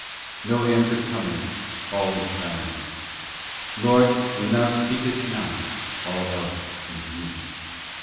no answer cometh all is silence ! Lord, when Thou speakest not, all else is mute